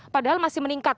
padahal masih meningkat